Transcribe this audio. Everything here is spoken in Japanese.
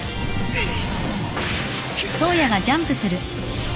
うっ！